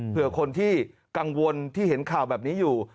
เพื่อคนที่กังวลที่เห็นข่าวแบบนี้อยู่